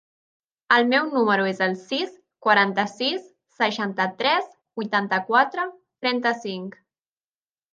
El meu número es el sis, quaranta-sis, seixanta-tres, vuitanta-quatre, trenta-cinc.